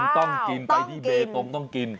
ต้องกินต้องกิน